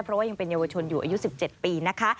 เพราะว่ายังเป็นเยาวชนอยู่อายุ๑๗ปีนะคะ